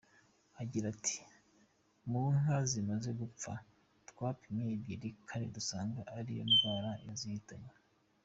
Agira ati “Mu nka zimaze gupfa, twapimye ebyiri kandi dusanga ari iyo ndwara yazihitanye.